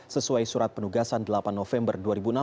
sesuai surat penugasan delapan november dua ribu enam belas